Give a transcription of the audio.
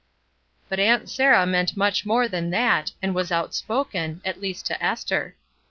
But Aunt Sarah meant much more than that, and was outspoken, at least to Esther.